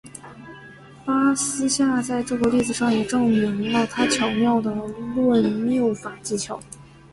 巴斯夏在这个例子上也证明了他巧妙的归谬法技巧。